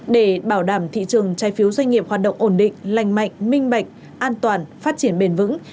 để bảo đảm thị trường trái phiếu doanh nghiệp hoạt động ổn định lành mạnh minh bạch an toàn phát triển bền vững